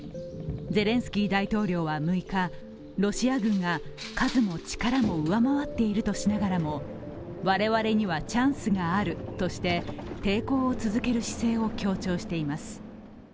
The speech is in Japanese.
ゼレンスキー大統領は６日、ロシア軍が数も力も上回っているとしながらも我々にはチャンスがあるとして、抵抗を続ける姿勢を強調しています。